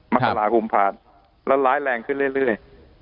มหาคุมผ่านแล้วร้ายแรงขึ้นเรื่อย